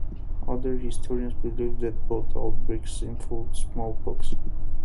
Other historians believe that both outbreaks involved smallpox.